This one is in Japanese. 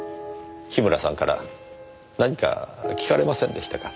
樋村さんから何か訊かれませんでしたか？